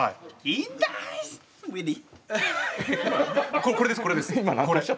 これですこれです。